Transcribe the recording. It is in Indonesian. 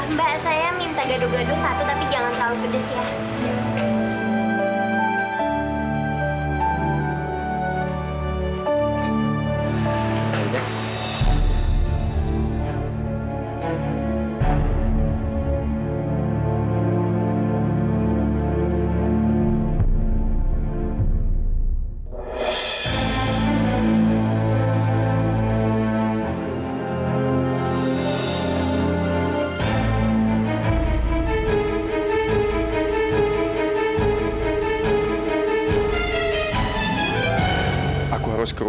mbak saya minta gaduh gaduh satu